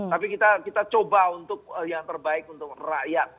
tapi kita coba untuk yang terbaik untuk rakyat